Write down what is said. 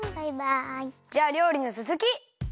じゃありょうりのつづき！